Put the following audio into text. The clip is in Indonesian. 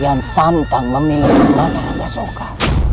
yang santang memilih matarangga soka